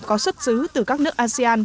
có xuất xứ từ các nước asean